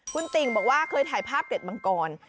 คุณติ่งบอกว่าเคยถ่ายภาพเกร็ดมังกร